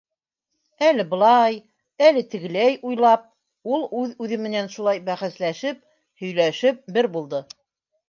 Әле былай, әле тегеләй уйлап, ул үҙ-үҙе менән шулай бәхәсләшеп, һөйләшеп бер булды.